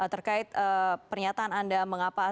terkait pernyataan anda mengapa